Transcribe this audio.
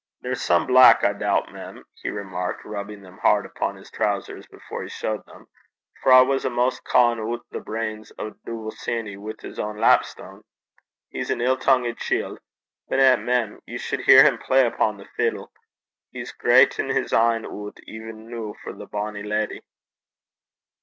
'They're some black, I doobt, mem,' he remarked, rubbing them hard upon his trowsers before he showed them; 'for I was amaist cawin' oot the brains o' Dooble Sanny wi' his ain lapstane. He's an ill tongued chield. But eh! mem, ye suld hear him play upo' the fiddle! He's greitin' his een oot e'en noo for the bonnie leddy.'